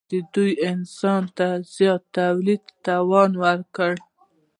دې ودې انسان ته د زیات تولید توان ورکړ.